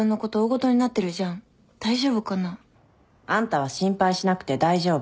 大丈夫かな？あんたは心配しなくて大丈夫。